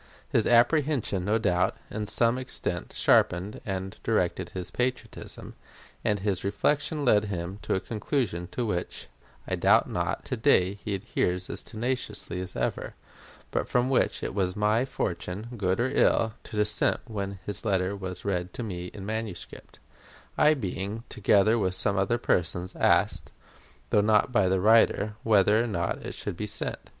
His apprehension, no doubt, to some extent sharpened and directed his patriotism, and his reflection led him to a conclusion to which, I doubt not, to day he adheres as tenaciously as ever; but from which it was my fortune, good or ill, to dissent when his letter was read to me in manuscript I being, together with some other persons, asked, though not by the writer, whether or not it should be sent.